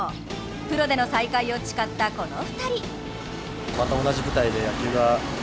プロでの再会を誓った、この２人。